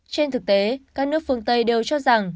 trên thực tế các nước phương tây đều cho rằng